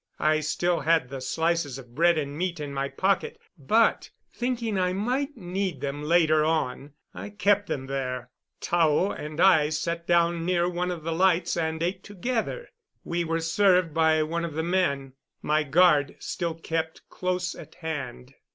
I still had the slices of bread and meat in my pocket, but, thinking I might need them later on, I kept them there. Tao and I sat down near one of the lights and ate together. We were served by one of the men. My guard still kept close at hand.